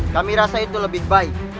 kami rasa itu lebih baik